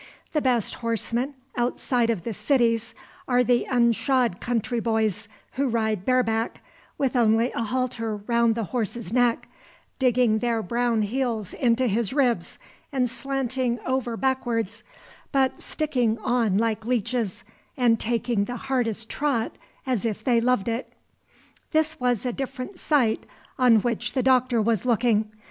The best horsemen outside of the cities are the unshod countryboys, who ride "bareback," with only a halter round the horse's neck, digging their brown heels into his ribs, and slanting over backwards, but sticking on like leeches, and taking the hardest trot as if they loved it. This was a different sight on which the Doctor was looking.